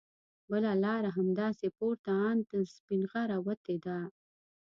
بله لاره همداسې پورته ان تر سپینغره وتې ده.